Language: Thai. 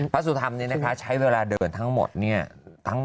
พระสุธรรมนี้นะคะใช้เวลาเดินทั้งหมด๑๒๑วัน